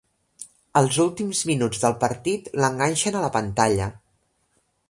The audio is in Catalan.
Els últims minuts del partit l'enganxen a la pantalla.